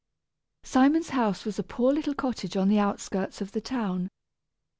Simon's house was a poor little cottage on the outskirts of the town.